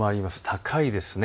高いです。